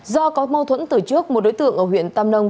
do có mâu thuẫn từ trước một đối tượng ở huyện tam nông